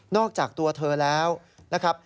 อกจากตัวเธอแล้วนะครับ